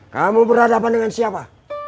kamu berhadapan dengan siapa